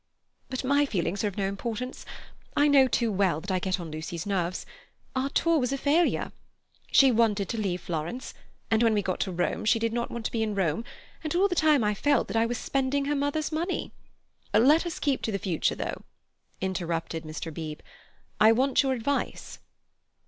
"But my feelings are of no importance. I know too well that I get on Lucy's nerves. Our tour was a failure. She wanted to leave Florence, and when we got to Rome she did not want to be in Rome, and all the time I felt that I was spending her mother's money—." "Let us keep to the future, though," interrupted Mr. Beebe. "I want your advice."